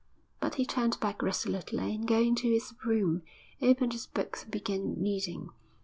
But he turned back resolutely, and, going to his room, opened his books and began reading.